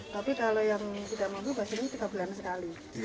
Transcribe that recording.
tapi kalau yang tidak mampu biasanya tiga bulan sekali